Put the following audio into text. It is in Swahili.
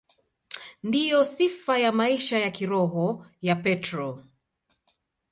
Ndiyo sifa ya maisha ya kiroho ya Petro.